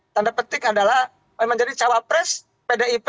tanda petik adalah memang jadi cawapres pdip